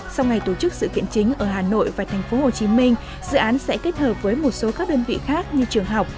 sau ngày tổ chức sự kiện chính ở hà nội và thành phố hồ chí minh dự án sẽ kết hợp với một số các đơn vị khác như trường học